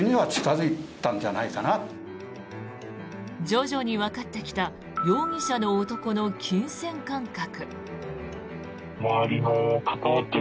徐々にわかってきた容疑者の男の金銭感覚。